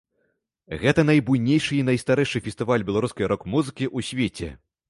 Гэта найбуйнейшы і найстарэйшы фестываль беларускай рок-музыкі ў свеце.